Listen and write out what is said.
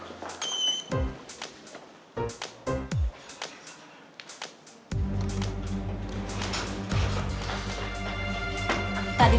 b europitas sendiri ya kan ini